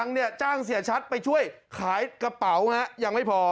เป็นแกนจ้าจ้างเสี่ยชัดไปช่วยขายกระเป๋านะฮะยังไม่พอ